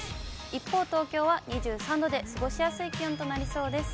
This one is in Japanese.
一方、東京は２３度で過ごしやすい気温となりそうです。